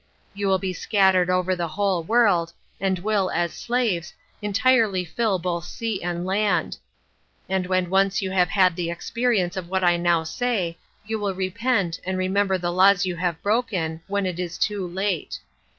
You will be scattered over the whole world, and will, as slaves, entirely fill both sea and land; and when once you have had the experience of what I now say, you will repent, and remember the laws you have broken, when it is too late.